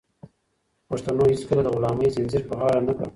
خو پښتنو هيڅکله د غلامۍ زنځير په غاړه نه کړ.